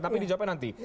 tapi dijawabin nanti